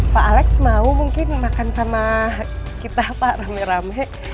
pak alex mau mungkin makan sama kita pak rame rame